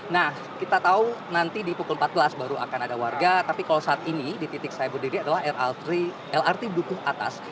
nah kita tahu nanti di pukul empat belas baru akan ada warga tapi kalau saat ini di titik saya berdiri adalah lrt dukuh atas